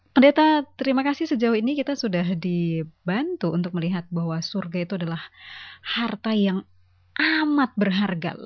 pendeta terima kasih sejauh ini kita sudah dibantu untuk melihat bahwa surga itu adalah harta yang amat berharga